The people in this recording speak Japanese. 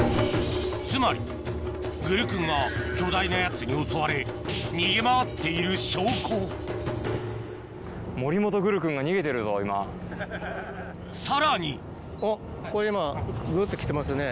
つまりグルクンが巨大なやつに襲われ逃げ回っている証拠さらにぐっと来てますよね。